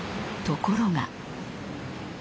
ところが。